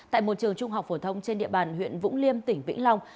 tại một trường trung học phổ thông trên địa bàn huyện vũng liêm tỉnh vĩnh long